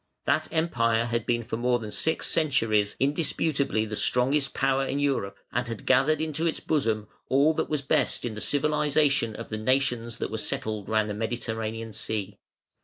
That Empire had been for more than six centuries indisputably the strongest power in Europe, and had gathered into its bosom all that was best in the civilisation of the nations that were settled round the Mediterranean Sea.